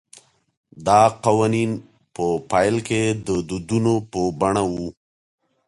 دا قوانین په پیل کې د دودونو په بڼه وو